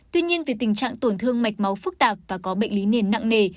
tuy nhiên vì tình trạng tổn thương mạch máu phức tạp và có bệnh lý nền nặng nề